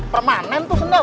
permanen tuh sendal